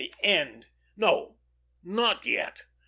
The end! No! Not yet!